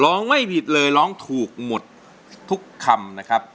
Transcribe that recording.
ไม่ผิดเลยร้องถูกหมดทุกคำนะครับ